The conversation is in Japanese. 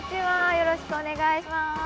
よろしくお願いします。